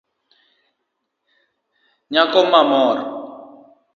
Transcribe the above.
Nyako mamor